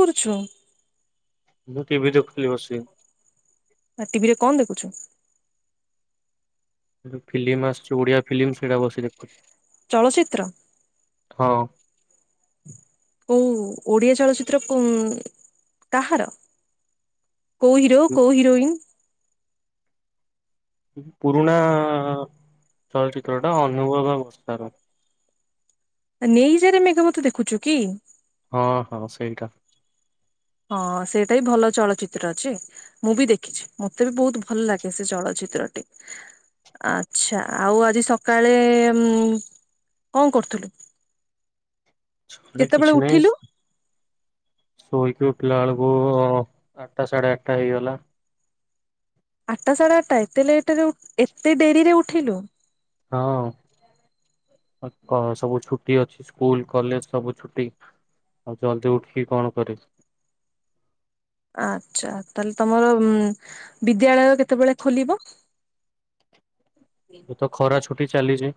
କରୁଛୁ? ମୁଁ ଟିଭି ଦେଖୁଥିଲି ବସିକି। ଆ ଟିଭି ରେ କଣ ଦେଖୁଛୁ? ଗୋଟେ ଫିଲ୍ମ ଆସୁଛି ଓଡିଆ ଫିଲ୍ମ ସେଇଟା ବସି ଦେଖୁଚି। ଚଳଚ୍ଚିତ୍ର? ହଁ। କୋଉ ଓଡିଆ ଚଳଚିତ୍ର କୋଉ କାହାର? କୋଉ ହିରୋ କୋଉ ହିରୋଇନ୍? ପୁରୁଣା ଚଳଚିତ୍ର ଟା ଅନୁଭବ ଆଉ ବର୍ଷା ର। ନେଇଯାରେ ମେଘ ମତେ ଦେଖୁଛୁ କି? ହଁ ହଁ ସେଇଟା। ହଁ ସେଇଟା ବି ଭଲ ଚଳଚିତ୍ର ଅଛି। ମୁଁ ବି ଦେଖିଛି ମତେ ବି ବୋହୁତ୍ ଭଲ ଲାଗେ ସେ ଚଳଚିତ୍ରଟି। ଆଚ୍ଛା ଆଉ ଆଜି ସକାଳେ କଣ କରୁଥିଲୁ? ସେ କେତେବେଳେ କିଛି ନାହି ଉଠିଲୁ ଶୋଇକି ଉଠିଲା ବେଳକୁ ଆଠଟା ସାଢ଼େ ଆଠଟା ହେଇଗଲା। ଆଠଟା ସାଢ଼େ ଆଠଟା ଏତେ ଲେଟ୍ ରେ ଏତେ ଡେରିରେ ଉଠିଲୁ? ହଁ। [unintelligible] ଛୁଟି ଅଛି ସ୍କୁଲ କଲେଜ ସବୁ ଛୁଟି ଆଉ ଜଲଦି ଉଠିକି କଣ କରିବି? ଆଚ୍ଛା ତାହେଲେ ତମର ବିଦ୍ୟାଳୟ କେତେବେଳେ ଖୋଲିବ? ଏ ତ ଖରା ଛୁଟି ଚାଲିଛି।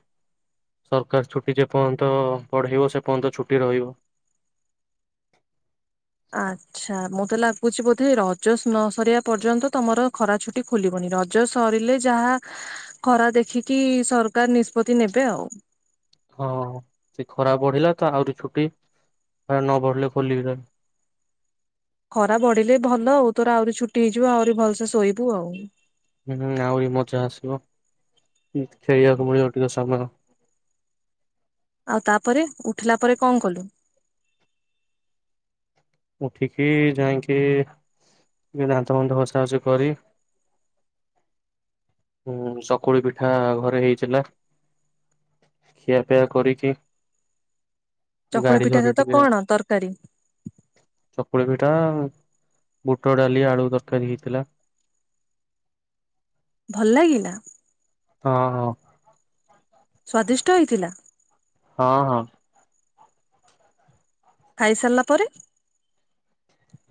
ସରକାର ଛୁଟି ଯେ ପର୍ଯ୍ୟନ୍ତ ବଢ଼େଇବ ସେ ପର୍ଯ୍ୟନ୍ତ ଛୁଟି ରହିବ। ଆଛ୍ ଚ୍ଛା ମତେ ଲାଗୁଛି ବୋଧେ ରଜ ନ ସରିବା ପର୍ଯ୍ୟନ୍ତ ତମର ଖରା ଛୁଟି ଖୋଲିବନି, ର ଜ ସରିଲେ ଯାହା ଖରା ଦେଖିକି ସରକାର ନିଷ୍ପତି ନେବେ ଆଉ। ହଁ ସେ ଖରା ବଢିଲା ତ ଆହୁରି ଛୁଟି, ଖରା ନ ବଢିଲେ ଖୋଲିବେ। ଖରା ବଢିଲେ ଭଲ ଆଉ ତୋର ଆହୁରି ଛୁଟି ହେଇଯିବ ଆହୁରି ଭଲସେ ଶୋଇବୁ ଆଉ। ହୁଁ ଆହୁରି ମଜା ଆସିବ, ଖେଳିବାକୁ ମିଳିବ ଟିକେ ସମୟ। ଆଉ ତାପରେ ଉଠିଲା ପରେ କଣ କଲୁ? ଉଠିକି ଯାଇଁକି ଦାନ୍ତ ଫାନ୍ତ ଘଷା ଘଷି କରି ହୁଁ ଚକୁଳି ପିଠା ଘରେ ହେଇଥିଲା। ଖିଆ ପିଆ କରିକି ଚକୁଳ ଗାଡି ପିଠା ଧରି ସହିତ ଟିକେ କଣ ତରକାରୀ? ଚକୁଳି ପିଠା ବୁଟ ଡାଲି ଆଳୁ ତରକାରୀ ହେଇଥିଲା। ଭଲ ଲାଗିଲା? ହଁ-ହଁ। ସ୍ଵାଦିଷ୍ଟ ହେଇଥିଲା? ହଁ-ହଁ। ଖାଇସାରିଲା ପରେ?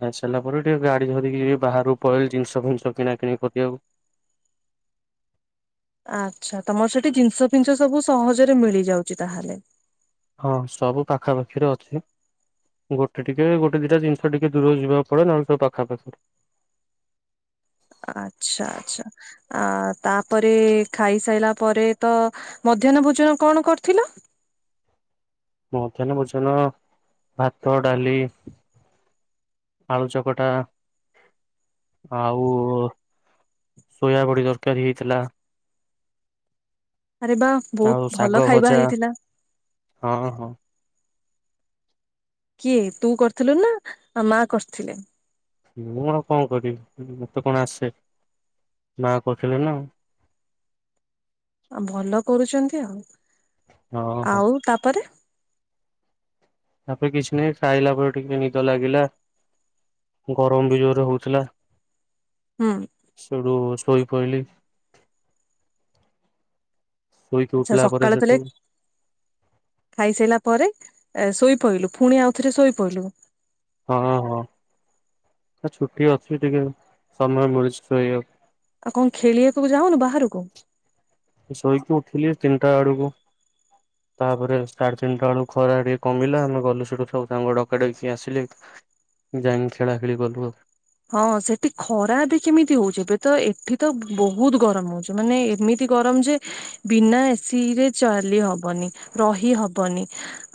ଖାଇସାରିଲା ପରେ ଟିକେ ଗାଡି ଧରିକି ଏଇ ବାହାରକୁ ପଳେଇଲି ଜିନିଷ ଫିନିଷ କିଣା କିଣି କରିଆକୁ। ଆଚ୍ଛା ତମର ସେଠି ଜିନିଷ ଫିିନିଷ ସବୁ ସହଜରେ ମିଳି ଯାଉଛି ତାହେଲେ। ହଁ ସବୁ ପାଖାପାଖିରେ ଅଛି। ଗୋଟେ ଟିକେ ଗୋଟେ ଦିଟା ଜିନଷ ଟିକଏ ଦୂରକୁ ଯିବାକୁ ପଡ଼େ, ନାହେଲେ ସବୁ ପାଖାପାଖି। ଆଚ୍ଛା-ଆଚ୍ଛା। ଆ ତାପରେ ଖାଇସାଇଲା ପରେ ତ ମଧ୍ୟାହ୍ନ ଭୋଜନ କଣ କରିଥିଲ? ମଧ୍ୟାହ୍ନ ଭୋଜନ ଭାତ, ଡାଲି ଆଳୁ ଚକଟା ଆଉ ଶୋୟା ବଡି ତରକାରୀ ହେଇଥିଲା। ଆରେ ବା ବହୁତ୍ ଭଲ ଖାଇବା ହେଇଥିଲା। ହଁ-ହଁ। କିଏ ତୁ କରିଥିଲୁ ନା [unintelligible] ମା କରିଥିଲେ? ମୁଁ କଣ-କଣ କରିବି ମତେ କଣ ଆସେ ମା କରିଥିଲେ ନା। ଆ ଭଲ କରୁଚନ୍ତି ଆଉ, ହଁ ହଁ। ଆଉ ତାପରେ ତାପରେ କିଛି ନାହିଁ, ଖାଇଲା ପରେ ଟିକେ ନିଦ ଲାଗିଲା। ଗରମ୍ ବି ଜୋରେ ହଉଥିଲା। ହୁଁ। ସୋଉଟୁ ଶୋଇ ପଇଲି। ଶୋଇକି ଆଚ୍ଛା ଉଠିଲା ପରେ ସକାଳେ ତାଲେ ସେଠୁ ଖାଇସାଇଲା ପରେ ଶୋଇପଇଲୁ ଫୁଣି ଆଉଥରେ ଶୋଇପଇଲୁ। ହଁ-ହଁ ଛୁଟି ଅଛି ଟିକେ ସମୟ ମିଳିୁଛି ଶୋଇବାକୁ। ଆଉ କଣ ଖେଳିଆକୁ ଯାଉନୁ ବାହାରୁକୁ? ଶୋଇକି ଉଠିଲି ତିନିଟା ଆଡୁକୁ। ତାପରେ ସାଢେ ତିନିଟା ବେଳୁକୁ ଖରା ଟିକେ କମିଲା, ଆମେ ଗଲୁ ସେଠୁ ସବୁ ସାଙ୍ଗ ଡକା ଡକି ହେଇ ଆସିଲେ। ଯାଇଁକି ଖେଳା ଖେଳି କଲୁ ଆଉ। ହଁ ସେଠି ଖରା ବି କେମିତି ହଉଚି, ଏବେ ତ ଏଠି ତ ବହୁତ୍ ଗରମ ହଉଚି ମାନେ ଏମି ତି ଗରମ୍ ଯେ ବିନା ଏସି ରେ ଚାଲିହବନି ରହି ହବନି।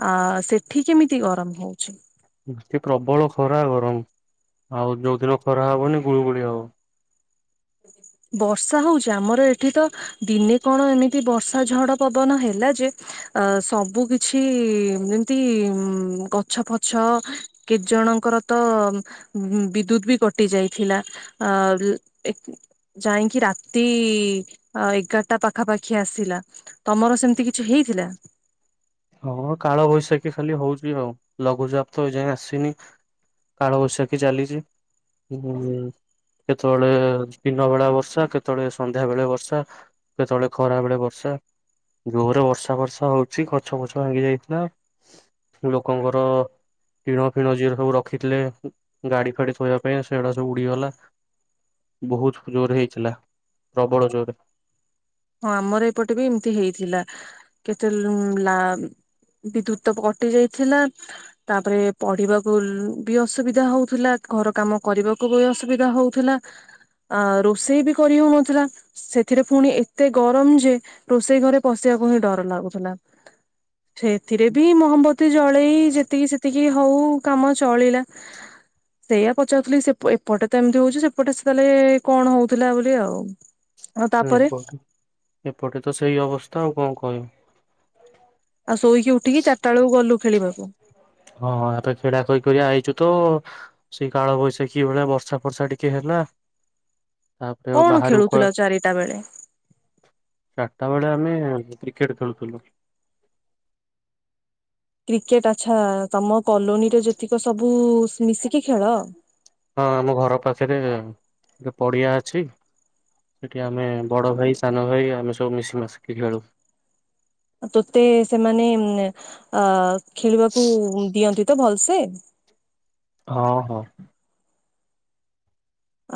ଆ ସେଠି କେମିତି ଗରମ ହୋଉଚି? ଏଠି ପ୍ରବଳ ଖରା ଗରମ ଆଉ ଯୋଉଦିନ ଖରା ହବନି ଗୁଳୁଗୁଳି ହବ। ବର୍ଷା ହୋଉଚି। ଆମର ଏଠି ତ ଦିନେ କଣ ଏମିତି ବର୍ଷା ଝଡ ପବନ ହେଲା ଯେ ଆ ସବୁ କିଛି ଯେମିତି ଗଛ ପଛ କେତେ ଜଣଙ୍କର ତ ବିଦ୍ୟୁତ ବି କଟି ଯାଇଥିଲା। ଆ ଏ ଯାଇଁକି ରାତି ଏଗାରଟା ପାଖାପାଖି ଆସିଲା। ତମର ସେମତି କିଛି ହେଇଥିଲା। ହଁ କାଳ ବୈଶାଖୀ ଖାଲି ହୋଉଚି ଆଉ, ଲଘୁଚାପ ତ ଏ ଯାଏଁ ଆସିନି। କାଳବୈଶାଖୀ ଚାଲିଚି ଉଁ। କେତେବେଳେ ଦିନ ବେଳା ବର୍ଷା କେତେବେଳେ ସନ୍ଧ୍ୟା ବେଳେ ବର୍ଷା। କେତେବେଳେ ଖରାବେଳେ ବର୍ଷା ଜୋରେ ବର୍ଷା ଫର୍ଷା ହୋଉଚି। ଖ ଗଛ ଫଛ ଭାଙ୍ଗି ଯାଇଥିଲା। ଲୋକଙ୍କର ଟିଣ ଫିଣ ଯିଏ ସବୁ ରଖିଥିଲେ। ଗାଡି ଫାଡି ଥୋଇବା ପାଇଁ ସେଗୁଡା ସବୁ ଉଡିଗଲା। ବୋହୁତ ଜୋରେ ହେଇଥିଲା ପ୍ରବଳ ଜୋରେ। ହଁ ଆମର ଏପଟେ ବି ଏମତି ହେଇଥିଲା। କେତେ ଲୋ ଲା ବିଦ୍ୟୁତ ତ କଟି ଯାଇଥିଲା। ତାପରେ ପଢିବାକୁ ବି ଅସୁବିଧା ହୋଉଥିଲା। ଘର କାମ କରିବାକୁ ବି ଅସୁବିଧା ହୋଉ ଥିଲା। ଆ ରୋଷେଇ ବି କରି ହେଉନଥିଲା ସେଥିରେ ଫୁଣି ଏ ଏତେ ଗରମ ଯେ ରୋଷେଇ ଘରେ ପଶିବାକୁ ହିଁ ଡର ଲାଗୁଥିଲା। ସେଇଥିରେ ବି ମହମବତୀ ଜଳେଇ ଯେତିକି ସେତିକି ହୋଉ କାମ ଚଳିଲା। ସେଇଆ ପଚାରୁଥିଲି। ସେ ଏପଟେ ତ ଏମିତି ହୋଉଚି। ସେପଟେ ସେ ତାହେଲେ କଣ ହୋଉଥିଲା ବୋଲି ଆଉ। ଆଉ ହୁଁ ତାପରେ ଏପଟ ଏପଟେ ତ ସେଇ ଅବସ୍ଥା ଆଉ କଣ କହିବୁ। ଆଉ ଶୋଇକି ଉଠିକି ଚାରିଟା ବେଳକୁ ଗଲୁ ଖେଳିବାକୁ। ହଁ ହଁ ଆପେ କ୍ରିଡା କରି କରି ଆଇଚୁ ତୁ ସେଇ କାଳ ବୈଶାଖୀ ଭଳିଆ ବର୍ଷା ଫର୍ଷା ଟିକେ ହେଲା। ତାପରେ ଆଉ କଣ ବାହାରକୁ କୁ ଖେଳୁଥିଲ ଚାରିଟା ବେଳେ ଚାରିଟା ବେଳେ ଆମେ କ୍ରିକେଟ୍ ଖେଳୁଥିଲୁ। କ୍ରିକେଟ ଆଚ୍ଛା ତମ କଲୋନୀରେ ଯେତିକ ସବୁ ମିଶିକି ଖେଳ। ହଁ ଆମ ଘର ପାଖରେ ଗୋ ପଡିଆ ଅଛି। ସେଠି ଆମେ ବଡ ଭାଇ ସାନ ଭାଇ ଆମେ ସବୁ ମିଶି ମାଶିକି ଖେଳୁ। ତୋତେ ସେମାନେ [unintelligible] ଖେଳିବାକୁ ଦିଅନ୍ତି ତ ଭଲସେ। ହଁ ହଁ।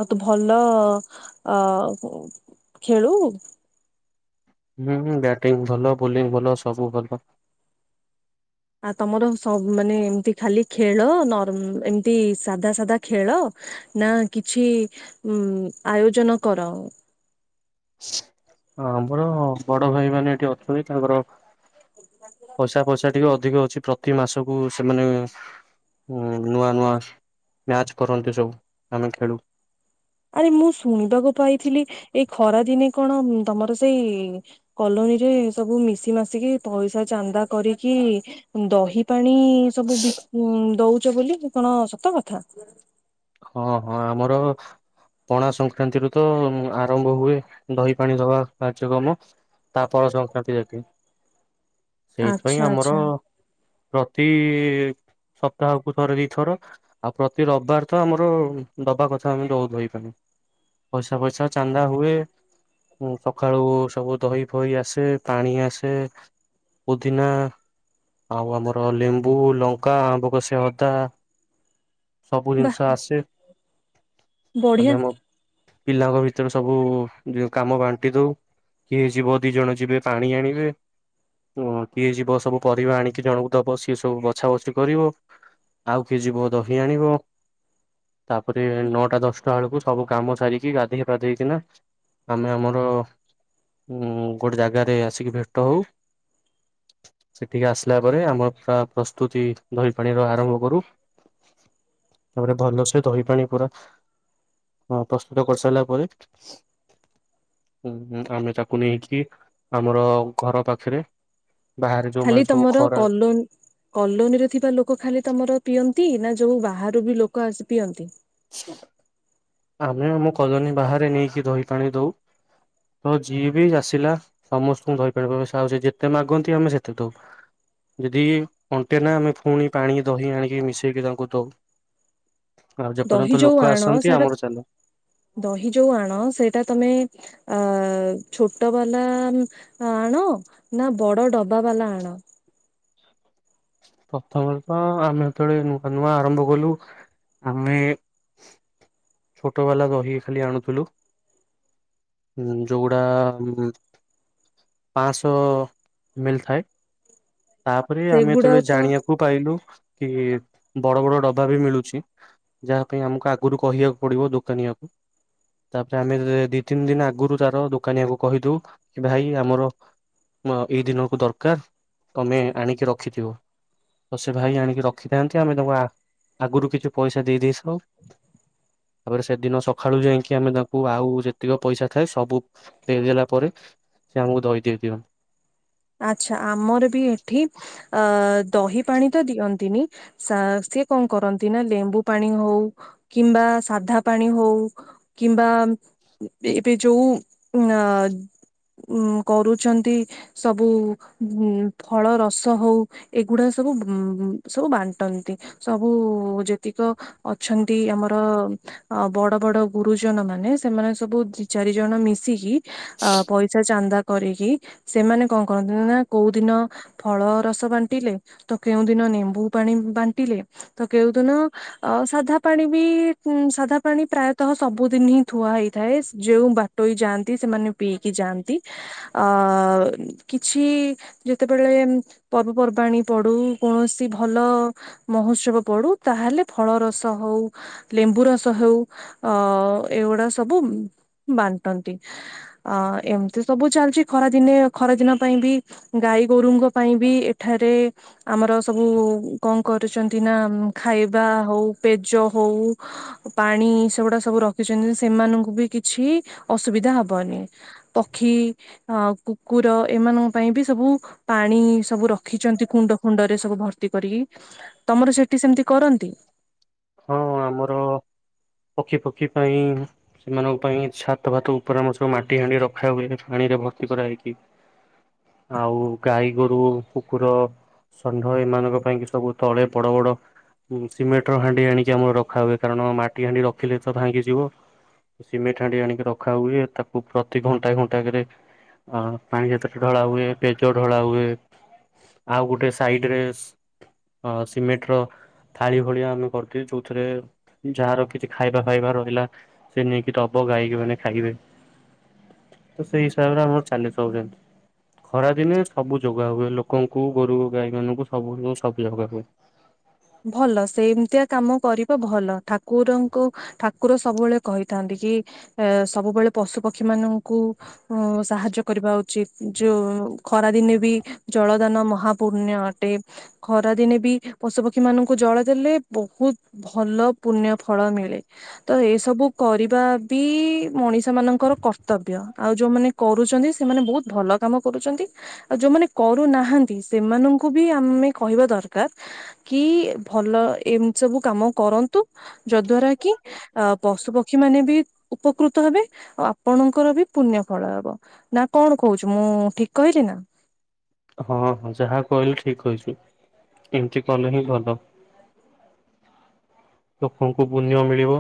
ଆଉ ତୁ ଭଲ ଅ କୁଂ ଖେଳୁ। ହୁଁ ହୁଁ ବ୍ୟାଟିଙ୍ଗ ଭଲ ବୋଲିଂ ଭଲ ସବୁ ଭଲ। ଆ ତମର ସବ୍ ମାନେ ଏମତି ଖାଲି ଖେଳ ନର୍ ଏମତି ସାଧା ସାଧା ଖେଳ ନା କିଛି ଉଁ ଆୟୋଜନ କର? ଆମର ବଡ ଭାଇମାନେ ଏଠି ଅଛନ୍ତି ତାଙ୍କର ପଇଷା ପଇଷା ଟିକେ ଅଧିକ ଅଛି ପ୍ରତି ମାସକୁୁ ସେମାନେ ନୂଆ ନୂଆ ମ୍ୟାଚ୍ କରନ୍ତି ସବୁ ଆମେ ଖେଳୁ। ଆରେ ମୁଁ ଶୁଣିବାକୁ ପାଇଥିଲି ଏଇ ଖରା ଦିନେ କଣ ଉଁ ତମର ସେଇ କଲୋନୀରେ ସବୁ ମିଶି ମାଶିକି ପଇଷା ଚାନ୍ଦା କରିକି ଦହି ପାଣି ସବୁ ବି ଉଁ ଦୋଉଚ ବୋଲି କଣ ସତ କଥା? ହଁ- ହଁ ଆମର ପଣା ସଂକ୍ରାନ୍ତିରୁ ତ ଆରମ୍ଭ ହୁଏ ଦହି ପାଣି ଦବା କାର୍ଯ୍ୟକ୍ରମ। ତା ପର ସଂକ୍ରାନ୍ତି ଯାକେ ଆଚ୍ଛା ସେଇଥିପାଇଁ ଆମର ଆଚ୍ଛା ପ୍ରତି ସପ୍ତାହକୁ ଥରେ ଦିଥର ଆଉ ପ୍ରତି ରବାର୍ ତ ଆମର ଦବା କଥା ଆମେ ଦଉ ଦହିପାଣି ପଇସା ଫଇସା ଚାନ୍ଦା ହୁଏ ଉଁ -ସକାଳୁ ସବୁ ଦହି ଫହି ଆସେ ପାଣି ଆସେ ପୁଦିନା ଆଉ ଆମର ଲେମ୍ବୁ, ଲଙ୍କା, ଆମ୍ବ କଷିଆ ଅଦା ସବୁ ବା ଜିନିଷ ଆସେ ବଢିଆ ଆମେ ଆମ ପିଲାଙ୍କ ଭିତରେ ସବୁ ଜି-କାମ ବାଣ୍ଟି ଦଉ। କିଏ ଯିବ ଦି ଜଣ ଯିବେ ପାଣି ଆଣିବେ ଓ କିଏ ଯିବ ସବୁ ପରିବା ଆଣିକି ଜଣଙ୍କୁ ଦବ ସିଏ ସବୁ ବଛା ବଛି କରିବ। ଆଉ କିଏ ଯିବ ଦହି ଆଣିବ ତାପରେ ନଅଟା ଦଶଟା ବେଳକୁ ସବୁ କାମ ସାରିକି ଗାଧେଇ ପାଧେଇ କିନା ଆମେ ଆମର ଉଁ -ଗୋଟେ ଜାଗାରେ ଆସିକି ଭେଟ ହଉ ସେଠିକି ଆସିଲା ପରେ ଆମର ପୁରା ପ୍ରସ୍ତୁତି ଦହି ପାଣିର ଆରମ୍ଭ କରୁ। ତାପରେ ଭଲସେ ଦହି ପାଣି ପୁରା ପ୍ରସ୍ତୁତ କରିସାରିଲା ପରେ ହୁଁଁ -ହୁଁ ଆମେ ତାକୁ ନେଇକି ଆମର ଘର ପାଖେରେ ଖାଲି ତମର କଲୋନ୍ କଲୋନୀରେ ଥିବା ଲୋକ ଖାଲି ତମର ପିଅନ୍ତି ନା ଯଉ ବାହାରୁ ବି ଲୋକ ଆସି ପିଅନ୍ତି? ଆମେ ଆମ କଲୋନୀ ବାହାରେ ନେଇକି ଦହି ପାଣି ଦଉ। ତ ଯିଏ ବି ଆସିଲା ସମସ୍ତଙ୍କୁ ଦହିପାଣି ବ୍ୟବସ୍ଥ ଯେତେ ମାଗନ୍ତି ଆମେ ସେତେ ଦଉ। ଯଦି ଅଣ୍ଟେ ନା ଆମେ ପୁଣି ପାଣି ଦହି ଆଣିକି ମିଶେଇକି ତାଙ୍କୁ ଦଉ। ଆଉ ଦହି ଯେପର୍ଯ୍ୟନ୍ତ ଯୋଉ ଲୋକ ଆଣ ଆସନ୍ତି ସେଇଟା ଆମର ଚାଲେ। ଦହି ଯଉ ଆଣ ସେଇଟା ତମେ ଅ ଛୋଟ ବାଲା ଆଣ ନା ବଡ ଡବା ବାଲା ଆଣ? ପ୍ରଥମରୁ ତ ଆମେ ଯେତେବେଳେ ନୂଆ ନୂଆ ଆରମ୍ଭ କଲୁ ଆମେ ଛୋଟ ବାଲା ଦହିକି ଖାଲି ଆଣୁଥୁଲୁ। ହୁଁ ଯଉଗୁଡା ପାଁ-ଶ ମିଳିଥଏ ଥାଏ। ତାପରେ ଆମେ ସେଗୁଡାକ ଯେତେବେଳେ ତ ଜାଣିବାକୁ ପାଇଲୁ କି ବଡ ବଡ ଡବା ବି ମିଳୁଛି ଯାହା ପାଇଁ ଆମକୁ ଆଗରୁ କହିବାକୁ ପଡିବ ଦୋକାନୀଆ କୁ। ତାପରେ ଆମେ ଦି ତିନି ଦିନ ଆଗରୁ ତାର ଦୋକାନୀଆକୁ କହିଦଉ କି ଭାଇ ଆମର ମୁଁ ଆଉ -ଏଇ ଦିନକୁ ଦରକାର୍ ତମେ ଆଣିକି ରଖିଥିବ। ତ ସେ ଭାଇ ଆଣିକି ରଖିଥାନ୍ତି ଆମେ ତାଙ୍କୁ ଆ- ଆଗୁରୁ କିଛି ପଇସା ଦେଇଦେଇସାଉ। ତାପରେ ସେଦିନ ସଖାଳୁ ଯାଇକି ଆମେ ତାଙ୍କୁ ଆଉ ଯେତିକ ପଇସା ଥାଏ ସବୁ ଦେଇଦେଲା ପରେ ସେ ଆମକୁ ଦହି ଦେଇଦିଅନ୍ତି। ଆଚ୍ଛା ଆମର ବି ଏଠି ଆଦହି ପାଣି ତ ଦିଅନ୍ତିନି ସା-ସିଏ କଣ କରନ୍ତି ନା ଲେମ୍ବୁ ପାଣି ହଉ କିମ୍ବା ସାଧା ପାଣି ହଉ କିମ୍ବା ଏବେ ଯଉ ଅ ଉଁ -କରୁଚନ୍ତି ସବୁ ଉଁ -ଫଳ ରସ ହଉ ଏଗୁଡା ସବୁ ସବୁ ବାଣ୍ଟନ୍ତି ସବୁ ଯେତିକ ଅଛନ୍ତି ଆମର ଅ ବଡ ବଡ ଗୁରୁଜନ ମାନେ ସେମାନେ ସବୁ ଦି ଚାରି ଜଣ ମିଶିକି ଅ ପଇସା ଚାନ୍ଦା କରିକି ସେମାନେ କଣ କରନ୍ତି ନା କୋଉଦିନ ଫଳ ରସ ବାଣ୍ଟିଲେ, ତ କେଉଁ ଦିନ ନେମ୍ବୁ ପାଣି ବାଣ୍ଟିଲେ, ତ କେଉଁ ଦିନ ଅ ସାଧା ପାଣି ବି ସାଧା ପାଣି ପ୍ରାୟତଃ ସବୁଦିନ ହିଁ ଥୁଆ ହେଇଥାଏ। ଯୋଉଁ ବା- ଟୋଇ ଯାଆନ୍ତି ସେମାନେ ପିଇକି ଯାଆନ୍ତି ଆ କିଛି ଯେତେବେଳେ ପର୍ବପର୍ବାଣି ପଡୁ କୌଣସି ଭଲ ମହୋତ୍ସବ ପଡୁ। ତାହେଲେ ଫଳ ରସ ହଉ ଲେମ୍ବୁ ରସ ହେଉ, ଅ ଏଗୁଡା ସବୁ ବାଣ୍ଟନ୍ତି। ଅ ଏମିତି ସବୁ ଚାଲିଛି ଖରାଦିନେ ଖରାଦିନ ପାଇଁ ବି ଗାଈ ଗୋରୁଙ୍କ ପାଇଁ ବି ଏଠାରେ ଆମର ସବୁ କଣ କରୁଛନ୍ତି ନା ଖାଇବା ହଉ, ପେଜ ହଉ ପାଣି ଏ ସେଗୁଡା ସବୁ ରଖିଛନ୍ତି ସେମାନଙ୍କୁ ବି କିଛି ଅସୁବିଧା ହବନି। ପକ୍ଷୀ, କୁକୁର ଏମାନଙ୍କ ପାଇଁ ବି ସବୁ, ପାଣି ସବୁ ରଖ- ରଖିଛନ୍ତି କୁଣ୍ଡ ଫୁଣ୍ଡରେ ସବୁ ଭର୍ତ୍ତି କରିକି। ତମର ସେଠି ସେମିତି କରନ୍ତି? ହଁ, ଆମର ପକ୍ଷୀ ପକ୍ଷୀ ପାଇଁ ସେମାନଙ୍କ ପାଇଁ ଛାତ ଭାତ ଉପରେ ସବୁ ମାଟି ହାଣ୍ଡି ରଖା ହୁଏ ପାଣି ରେ ଭର୍ତ୍ତି କରାହାଇକି। ଆଉ ଗାଈ ଗୋରୁ କୁକୁର ଷଣ୍ଢ ଏମାନଙ୍କ ପାଇଁ କି ସବୁ ତଳେ ବଡ ବଡ ସିମେଣ୍ଟର ହାଣ୍ଡି ଆଣିକି ଆମର ରଖା ହୁଏ କାରଣ ମାଟି ହାଣ୍ଡି ରଖିଲେ ତ ଭାଙ୍ଗି ଯିବ। ସିମେଣ୍ଟ ହାଣ୍ଡି ଆଣିକି ରଖା ହୁଏ। ତାକୁ ପ୍ରତି ଘଣ୍ଟା ଘଣ୍ଟାରେ ଆ ପାଣି ଯେତେଳେ ଢଳା ହୁଏ ପେଜ ଢଳା ହୁଏ। ଆଉ ଗୋଟେ ସାଇଡରେ ସି ସିମେଣ୍ଟ ର ଥାଳି ଭଳିଆ ଆମେ କରିଥିଲି ଯୋଉଥିରେ ଯାହାର କିଛି ଖାଇବା ଫାଇବା ରହିଲା। ସେ ନେଇକି ଦବ ଗାଇମାନେ ଖାଇବେ। ତ ସେଇ ହିସାବରେ ଆମର ଚାଲିସବୁଦିନ ଯେ ଖରାଦିନେ ସବୁ ଯୋଗୁ ଯଗା ହୁଏ ଲୋକଙ୍କୁ ଗୋରୁ ଗାଈ ମାନଙ୍କୁ ସବୁ ସବୁଜ ଯାଗା ହୁଏ। ଭଲ ସେମିତିଆ କାମ କରିବ ଭଲ ଠାକୁରଙ୍କୁ ଠାକୁର ସବୁବେଳେ କହିଥାନ୍ତି କି ଏ ସବୁବେଳେ ପଶୁ ପକ୍ଷୀ ମାନଙ୍କୁ ଉ ସାହାଯ୍ୟ କରିବା ଉଚିତ ଯୋଉ ଖରାଦିନେ ବି- ଜଳଦାନ ମହାପୂଣ୍ୟ ଅଟେ। ଖରାଦିନେ ବି ପଶୁପକ୍ଷୀ ପକ୍ଷୀ ମାନଙ୍କୁ ଜଳ ଦେଲେ ବହୁତ ଭଲ ପୁଣ୍ୟ ଫଳ ମିଳେ। ତ ଏସବୁ କରିବା ବି ମଣିଷ ମାନଙ୍କର କର୍ତ୍ତବ୍ୟ। ଆଉ ଯୋଉମାନେ କରୁଛନ୍ତି ସେମାନେ ବହୁତ ଭଲ କାମ କରୁଛନ୍ତି। ଆଉ ଯୋଉମାନେ କରୁନାହାନ୍ତି ସେମାନଙ୍କୁ ବି ଆମେ କହିବା ଦରକାର। କି ଭଲ ଏମିତି ସବୁ କାମ କରନ୍ତୁ? ଯଦ୍ଵାରା କି ଅ ପଶୁପକ୍ଷୀ ମାନେ ବି ଉପକୃତ ହେବେ ଆଉ ଆପଣଙ୍କର ବି ପୁଣ୍ୟ ଫଳ ହବ। ନା କଣ କହୁଛୁ ମୁଁ ଠିକ କହିଲି ନା? ହଁ -ହଁ ଯାହା କହିଲୁ ଠିକ ହେଛୁ ଏମିତି କଲେ ହିଁ ଭଲ। ଲୋକଙ୍କୁ ପୁଣ୍ୟ ମିଳିବ।